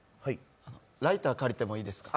ライター借りてもいいですか？